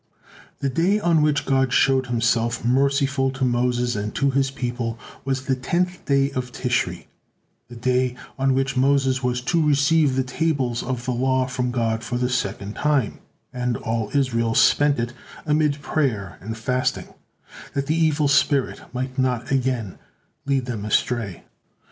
The day on which God showed Himself merciful to Moses and to His people, was the tenth day of Tishri, the day on which Moses was to receive the tables of the law from God for the second time, and all Israel spent it amid prayer and fasting, that the evil spirit might not again lead them astray.